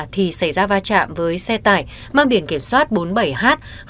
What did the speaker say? thì xảy ra va chạm với xe tải mang biển kiểm soát bốn mươi bảy h bốn nghìn hai trăm một mươi bảy